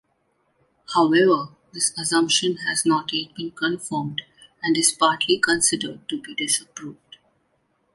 However, this assumption has not yet been confirmed and is partly considered to be disproved.